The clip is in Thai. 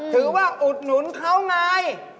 ถือว่าอุดหนุนเขาไง